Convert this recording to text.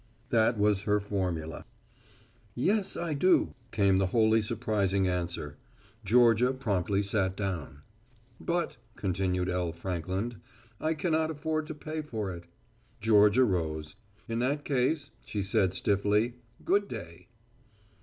That was her formula. "Yes, I do," came the wholly surprising answer. Georgia promptly sat down. "But," continued L. Frankland, "I cannot afford to pay for it." Georgia rose. "In that case," she said stiffly, "good day."